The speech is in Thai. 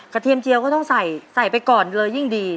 เทียมเจียวก็ต้องใส่ใส่ไปก่อนเลยยิ่งดี